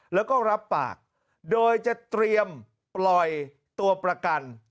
แล้วก็รับปากโดยจะเตรียมปล่อยตัวประกัน